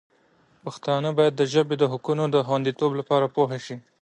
پښتانه باید د ژبې د حقونو د خوندیتوب لپاره پوه شي.